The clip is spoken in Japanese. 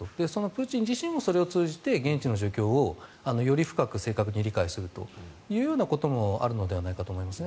プーチン自身もそれを通じて現地の状況をより深く正確に理解するというようなこともあるのではないかと思います。